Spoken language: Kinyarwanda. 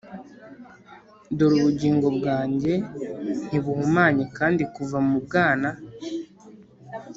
Dore ubugingo bwanjye ntibuhumanye kandi kuva mu bwana